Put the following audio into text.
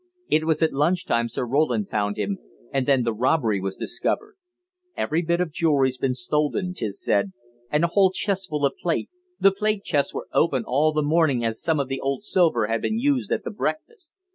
It was at lunch time Sir Roland found him, and then the robbery was discovered. Every bit of jewellery's been stolen, 'tis said, and a whole chest full of plate the plate chests were open all the morning as some of the old silver had been used at the breakfast.